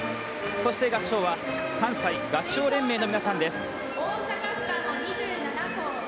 そして、合唱は関西合唱連盟の皆さんです。